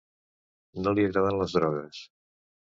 No li agraden les drogues.